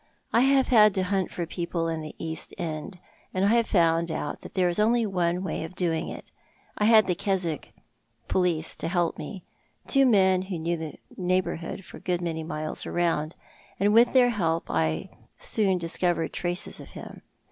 I have had to hunt for people in the East End, and I have found out that there is only one way of doing it. I had the Keswick police to help me— two men who know the neighbourhood for a good many miles round, and with their help I soon discovered traces of him.